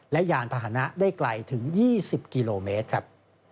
และยานพาหนะได้ไกลถึง๒๐กิโลเมตรครับ